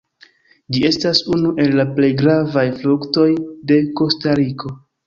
Ĝi estas unu el la plej gravaj fruktoj de Kostariko.